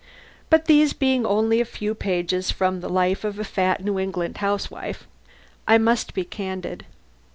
But these being only a few pages from the life of a fat, New England housewife, I must be candid.